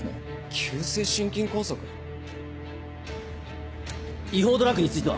急性心筋梗塞？違法ドラッグについては？